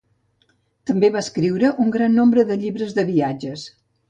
També va escriure un gran nombre de llibres de viatges.